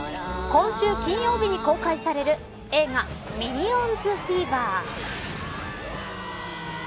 今週金曜日に公開される映画ミニオンズフィーバー。